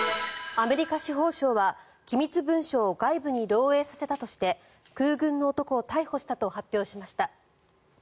アメリカ司法省は機密文書を外部に漏えいさせたとして空軍の男を逮捕したと発表しました。